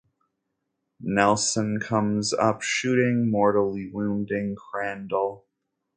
Nelson comes up shooting, mortally wounding Crandall.